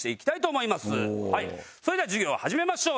それでは授業を始めましょう。